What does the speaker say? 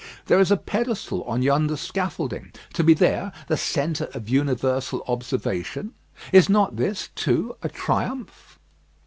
There is a pedestal on yonder scaffolding. To be there the centre of universal observation is not this, too, a triumph?